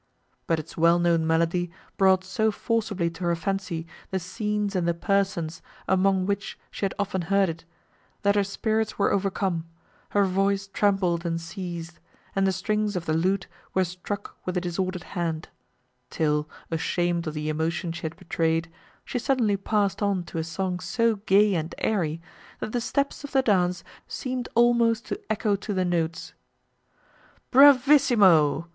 But its well known melody brought so forcibly to her fancy the scenes and the persons, among which she had often heard it, that her spirits were overcome, her voice trembled and ceased—and the strings of the lute were struck with a disordered hand; till, ashamed of the emotion she had betrayed, she suddenly passed on to a song so gay and airy, that the steps of the dance seemed almost to echo to the notes. _Bravissimo!